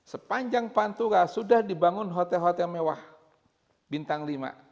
sepanjang pantura sudah dibangun hotel hotel mewah bintang lima